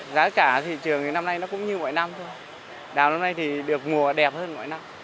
giá cả thị trường thì năm nay nó cũng như mọi năm thôi đào năm nay thì được mùa đẹp hơn mỗi năm